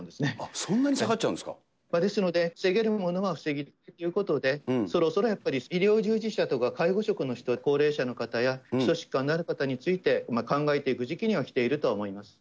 そんなに下がっちゃうんですですので、防げるものは防ぎたいということで、そろそろやっぱり医療従事者とか介護職の人、高齢者の方や、基礎疾患のある方について、考えていく時期にはきていると思います。